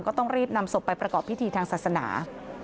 ก็ต้องรีบนำศพไปประกอบพิธีทางศาสนา